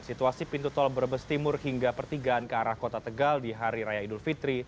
situasi pintu tol brebes timur hingga pertigaan ke arah kota tegal di hari raya idul fitri